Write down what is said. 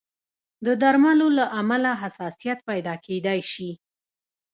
د درملو له امله حساسیت پیدا کېدای شي.